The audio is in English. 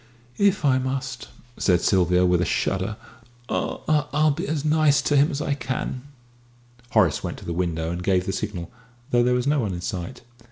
"If I must," said Sylvia, with a shudder, "I I'll be as nice to him as I can." Horace went to the window and gave the signal, though there was no one in sight.